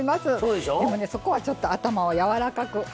でもねそこはちょっと頭をやわらかく。